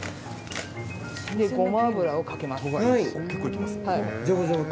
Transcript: ごま油をかけます。